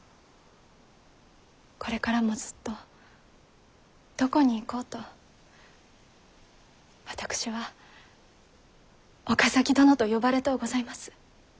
これからもずっとどこに行こうと私は岡崎殿と呼ばれとうございます。